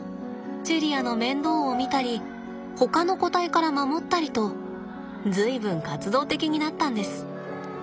チェリアの面倒を見たりほかの個体から守ったりと随分活動的になったんです。